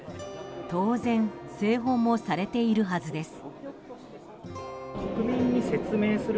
当然製本もされているはずです。